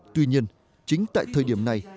tuy nhiên chính tại thời điểm này